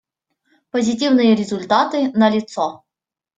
Позитивные результаты налицо.